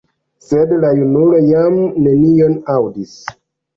Sed la junulo jam nenion aŭdis.